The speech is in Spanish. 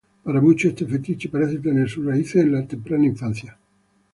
Para muchos, este fetiche parece tener sus raíces en la temprana infancia.